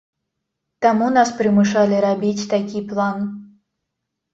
Таму нас прымушалі рабіць такі план.